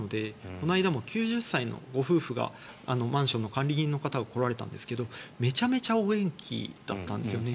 この間も９０歳のご夫婦がマンションの管理人の方が来られたんですけどめちゃめちゃお元気だったんですよね。